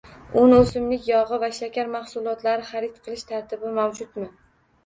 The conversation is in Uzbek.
Un, o’simlik yog’i va shakar mahsulotlari xarid qilish tartibi mavjudmi?